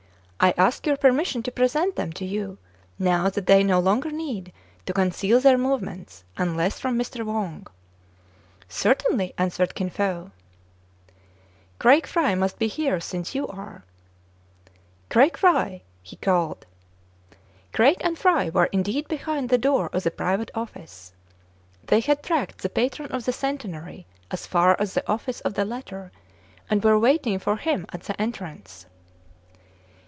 I ask your permission to present them to you, now that they no longer need to conceal their movements, unless from Mr. Wang." " Certainly," answered Kin Fo. CRAIG AND FRY PRESENTED TO ICIN FO. 1 05 Craig Fry must be here, since you are." "Craig Fry!" he called. Craig and Fry were indeed behind the door of the private office. They had '* tracked " the patron of the Centenary as far as the office of the latter, and were waiting for him at the entrance.